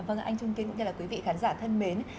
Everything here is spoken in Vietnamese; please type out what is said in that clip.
vâng ạ anh trung tiên cũng như là quý vị khán giả thân mến